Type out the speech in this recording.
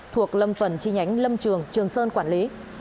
thuộc lâm phần chi nhánh lâm trường trường sơn quản lý